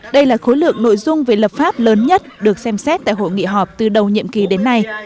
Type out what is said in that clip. đây là khối lượng nội dung về lập pháp lớn nhất được xem xét tại hội nghị họp từ đầu nhiệm kỳ đến nay